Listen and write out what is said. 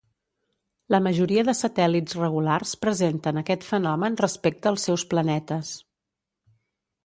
La majoria de satèl·lits regulars presenten aquest fenomen respecte als seus planetes.